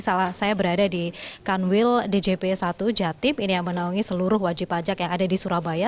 saya berada di kanwil djp satu jatim ini yang menaungi seluruh wajib pajak yang ada di surabaya